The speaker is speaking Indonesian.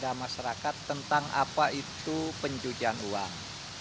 saya akan menjelaskan kepada masyarakat tentang apa itu pencucian uang